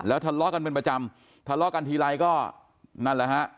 ทะเลาะกันเป็นประจำทะเลาะกันทีไรก็นั่นแหละฮะ